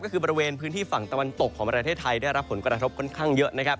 ก็คือบริเวณพื้นที่ฝั่งตะวันตกของประเทศไทยได้รับผลกระทบค่อนข้างเยอะนะครับ